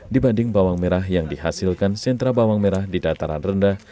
dibanding bawang merah yang dihasilkan sentra bawang merah di dataran rendah